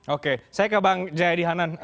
oke saya ke bang jaya dihanan